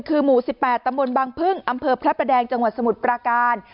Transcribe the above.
ก็คือหมู่สิบแปดตำบลบังพึ่งอำเภอพระแดงจังหวัดสมุทรปราการ